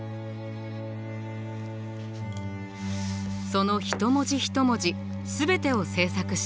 その一文字一文字全てを制作しています。